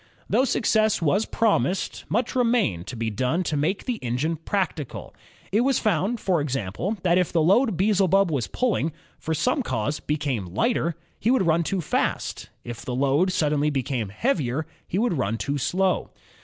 Though success was promised, much remained to be done to make the engine practical. It was found, for example, that if the load Beelzebub was pulling, for some cause became lighter, he would run too fast; if the load suddenly became heavier, he would run too slow.